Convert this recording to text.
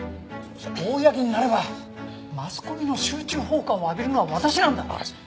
公になればマスコミの集中砲火を浴びるのは私なんだ。